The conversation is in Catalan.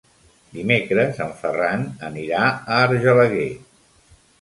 Dimecres en Ferran anirà a Argelaguer.